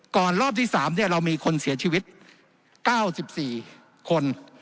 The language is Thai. ก่อนรอบที่สามเนี่ยเรามีคนเสียชีวิต๙๔คน